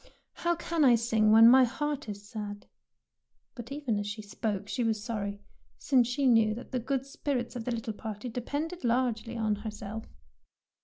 '''' How can I sing when my heart is sad? " But even as she spoke she was sorry, since she knew that the good spirits of the little party depended largely on herself.